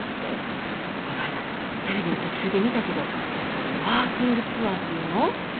そうこの間テレビの特集で見たけどワーキングプアっていうの？